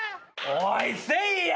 おいせいや！